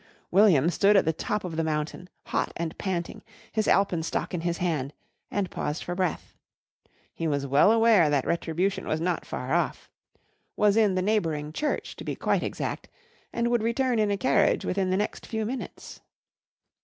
William stood at the top of the mountain, hot and panting, his alpenstock in his hand, and paused for breath. He was well aware that retribution was not far off was in the neighbouring church, to be quite exact, and would return in a carriage within the next few minutes.